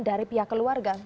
dari pihak keluarga